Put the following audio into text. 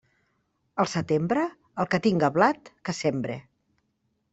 Al setembre, el que tinga blat, que sembre.